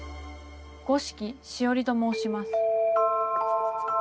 五色しおりと申します。